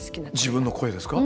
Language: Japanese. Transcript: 自分の声ですか？